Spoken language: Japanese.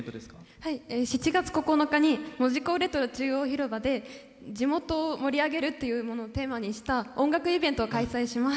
７月９日に門司港レトロ中央広場で「地元を盛り上げる」っていうのをテーマにした音楽イベントを開催します。